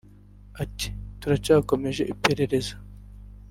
Ati” turacyakomeje iprereza